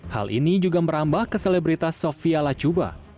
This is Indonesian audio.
hal ini juga merambah ke selebritas sofia lacuba